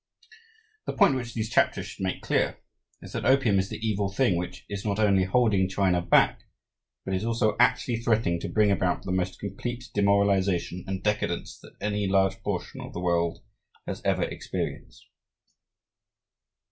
The point which these chapters should make clear is that opium is the evil thing which is not only holding China back but is also actually threatening to bring about the most complete demoralization and decadence that any large portion of the world has ever experienced.